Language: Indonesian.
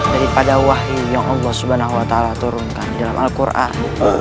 daripada wahyu ya allah swt turunkan di dalam al quran